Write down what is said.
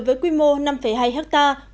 với quy mô năm hai hectare